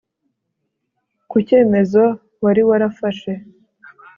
kucyemezo wari warafashe